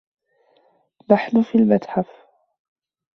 نحن في المتحف.